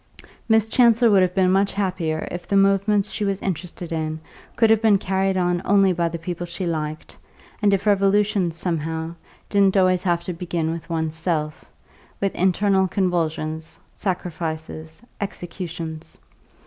Miss Chancellor would have been much happier if the movements she was interested in could have been carried on only by the people she liked, and if revolutions, somehow, didn't always have to begin with one's self with internal convulsions, sacrifices, executions.